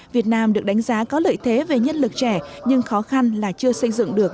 việt nam được đánh giá có lợi thế về nhân lực trẻ nhưng khó khăn là chưa xây dựng được